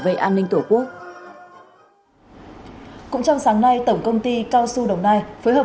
tổng công ty cao xu đồng nai phối hợp